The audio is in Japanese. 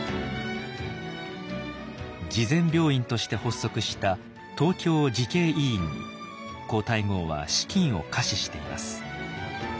慈善病院として発足した東京慈恵医院に皇太后は資金を下賜しています。